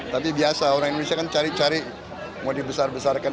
tapi biasa orang indonesia kan cari cari mau dibesar besarkan